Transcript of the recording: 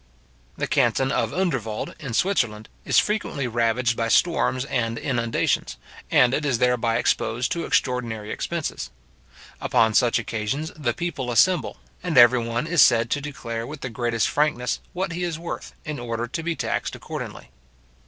The canton of Underwald, in Switzerland, is frequently ravaged by storms and inundations, and it is thereby exposed to extraordinary expenses. Upon such occasions the people assemble, and every one is said to declare with the greatest frankness what he is worth, in order to be taxed accordingly.